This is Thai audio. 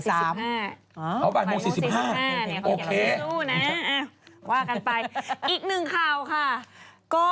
ซึ่งยังมีข้อมูลมาก